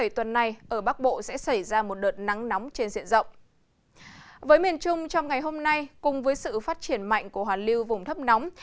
trong ngày hôm nay cùng với sự phát triển mạnh của hoa lưu vùng thấp nóng